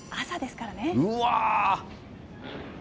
朝ですからね。